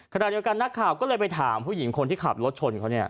ขณะเดียวกันนักข่าวก็เลยไปถามผู้หญิงคนที่ขับรถชนเขาเนี่ย